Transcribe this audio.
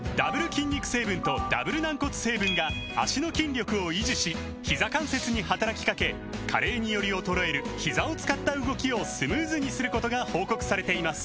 筋肉成分とダブル軟骨成分が脚の筋力を維持しひざ関節に働きかけ加齢により衰えるひざを使った動きをスムーズにすることが報告されています